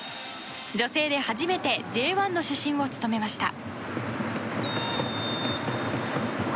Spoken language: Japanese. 女性で初めてＪ１の主審を務めました。